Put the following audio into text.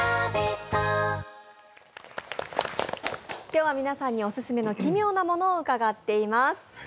今日は、皆さんにオススメの奇妙なものを伺っています。